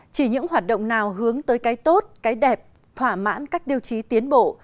chỉ những hoạt động nào hướng tới cái tốt cái đẹp thỏa mãn các tiêu chí tiến bộ